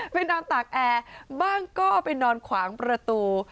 ไปนอนตากแอร์บ้างก็ไปนอนขวางประตู